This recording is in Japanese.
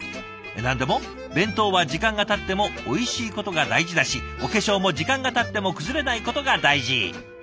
何でも弁当は時間がたってもおいしいことが大事だしお化粧も時間がたっても崩れないことが大事。